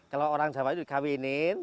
kalau orang sahabat itu dikawinin